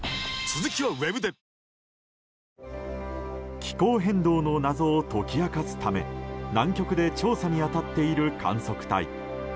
気候変動の謎を解き明かすため南極で調査に当たっている観測隊。